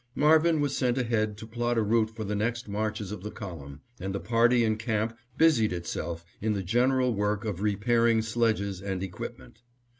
Marvin was sent ahead to plot a route for the next marches of the column, and the party in camp busied itself in the general work of repairing sledges and equipment.